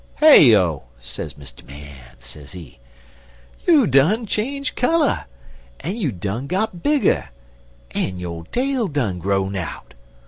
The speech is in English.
"'Heyo!' sez Mr. Man, sezee, 'you done change color, en you done got bigger, en yo' tail done grow out.